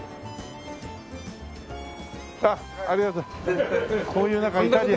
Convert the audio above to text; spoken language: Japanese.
あっありがとう。